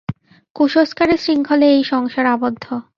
কুসংস্কারের শৃঙ্খলে এই সংসার আবদ্ধ।